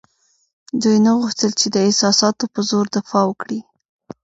دوی نه غوښتل چې د احساساتو په زور دفاع وکړي.